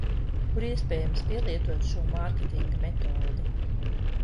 Kur iespējams pielietot šo mārketinga metodi?